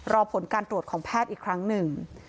รอผลการตรวจของแพทย์อีกครั้งหนึ่ง